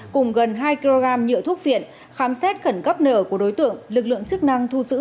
cùng gần hai kg nhựa thuốc viện khám xét khẩn cấp nợ của đối tượng lực lượng chức năng thu giữ